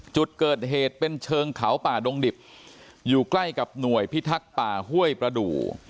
จุดเกิดเหตุเป็นเชิงเขาป่าดงดิบอยู่ใกล้กับหน่วยพิทักษ์ป่าห้วยประดูก